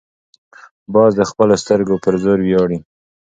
باز د خپلو سترګو پر زور ویاړي